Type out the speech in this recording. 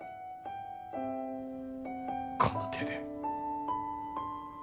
この手で。